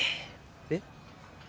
えっ？